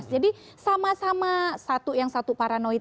jadi sama sama satu yang satu paranoid